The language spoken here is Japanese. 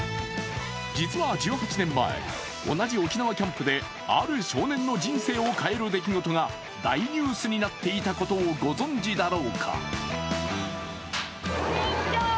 実は１８年前、同じ沖縄キャンプである少年の人生を変える出来事が大ニュースになっていたことをご存じだろうか。